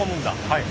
はい。